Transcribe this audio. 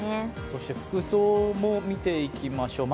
そして服装も見ていきましょう。